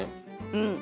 うん。